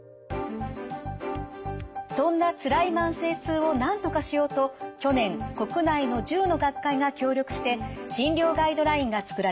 そんなつらい慢性痛をなんとかしようと去年国内の１０の学会が協力して診療ガイドラインが作られました。